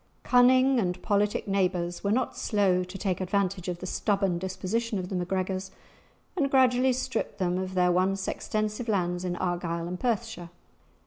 Cunning and politic neighbours were not slow to take advantage of the stubborn disposition of the MacGregors, and gradually stripped them of their once extensive lands in Argyle and Perthshire.